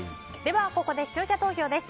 ここで、視聴者投票です。